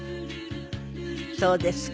そうですか。